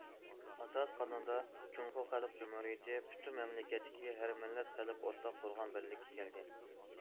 ئاساسىي قانۇندا جۇڭخۇا خەلق جۇمھۇرىيىتى پۈتۈن مەملىكەتتىكى ھەر مىللەت خەلقى ئورتاق قۇرغان بىرلىككە كەلگەن.